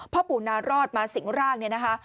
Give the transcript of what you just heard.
พ่อปู่นารอดมาสิงร่างเนี่ยนะคะ